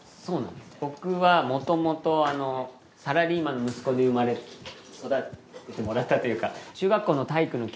僕はもともとサラリーマンの息子で生まれ育ててもらったというか。